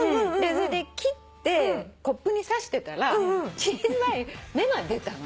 それで切ってコップにさしてたら小さい芽が出たのね。